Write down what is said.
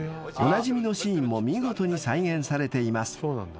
［おなじみのシーンも見事に再現されています］